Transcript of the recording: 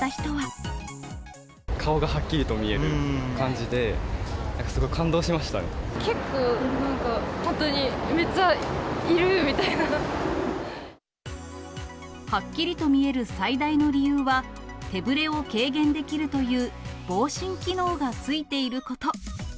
顔がはっきりと見える感じで、結構なんか、はっきりと見える最大の理由は、手ぶれを軽減できるという防振機能が付いていること。